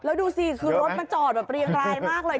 แล้วดูสิคือรถมันจอดแบบเรียงรายมากเลย